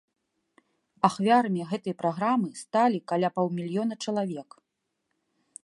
Ахвярамі гэтай праграмы сталі каля паўмільёна чалавек.